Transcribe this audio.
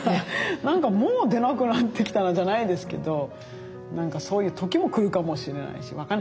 何かもう出なくなってきたなじゃないですけど何かそういう時も来るかもしれないし分かんないですけどね。